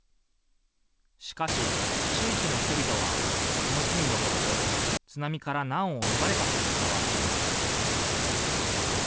しかし地域の人々はこの木に登って津波から難を逃れたと伝わっています。